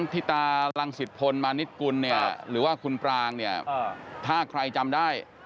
ธิตารังสิทธพลมานิดกุลเนี่ยหรือว่าคุณปรางเนี่ยถ้าใครจำได้